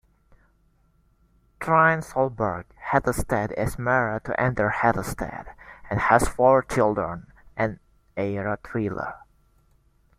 Trine Solberg-Hattestad is married to Anders Hattestad and has four children and a rotweiler.